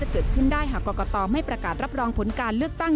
เกิดขึ้นได้หากกรกตไม่ประกาศรับรองผลการเลือกตั้ง